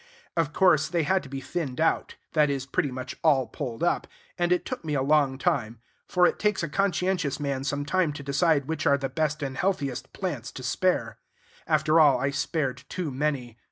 Of course, they had to be thinned out; that is, pretty much all pulled up; and it took me a long time; for it takes a conscientious man some time to decide which are the best and healthiest plants to spare. After all, I spared too many.